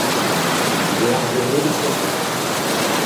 Veuan vegnî rispettæ.